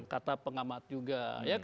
kata pengamat juga